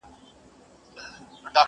راسه له ساحله د نهنګ خبري نه کوو!!